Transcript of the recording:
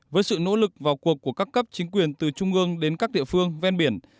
với sự nỗ lực vào cuộc của các cấp chính quyền từ trung ương đến các địa phương ven biển